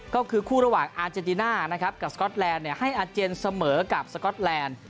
ก็คือคู่ระหว่างอาเจนติน่านะครับกับสก๊อตแลนด์ให้อาเจนเสมอกับสก๊อตแลนด์